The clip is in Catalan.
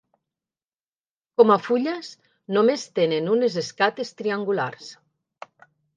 Com a fulles només tenen unes escates triangulars.